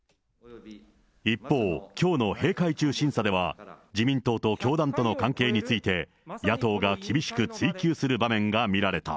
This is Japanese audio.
一方、きょうの閉会中審査では、自民党と教団との関係について、野党が厳しく追及する場面が見られた。